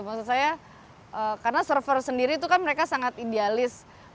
maksud saya karena server sendiri itu kan mereka sangat idealis